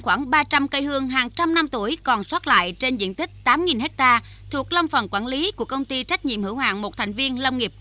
lâm nghiệp của công ty trách nhiệm hữu hoạng một thành viên lâm nghiệp của công ty trách nhiệm hữu hoạng một thành viên